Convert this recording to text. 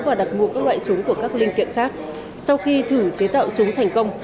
và đặt mua các loại súng của các linh kiện khác sau khi thử chế tạo súng thành công